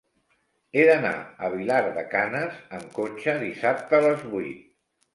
He d'anar a Vilar de Canes amb cotxe dissabte a les vuit.